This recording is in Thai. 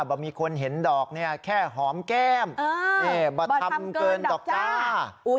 บ่มีคนเห็นดอกเนี่ยแค่หอมแก้มเออบ่ทำเกินดอกจ้าอุ้ย